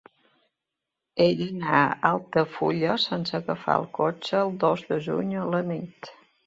He d'anar a Altafulla sense agafar el cotxe el dos de juny a la nit.